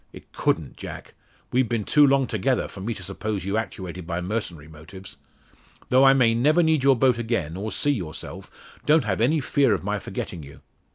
It couldn't, Jack. We've been too long together for me to suppose you actuated by mercenary motives. Though I may never need your boat again, or see yourself, don't have any fear of my forgetting you.